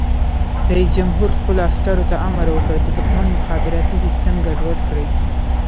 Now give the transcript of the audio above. رئیس جمهور خپلو عسکرو ته امر وکړ؛ د دښمن مخابراتي سیسټم ګډوډ کړئ!